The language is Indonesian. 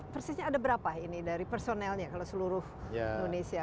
persisnya ada berapa ini dari personelnya kalau seluruh indonesia